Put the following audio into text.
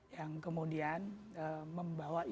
yang kemudian membawa implikasi